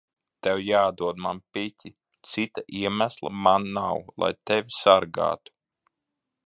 Tev jāatdod man piķi. Cita iemesla man nav, lai tevi sargātu.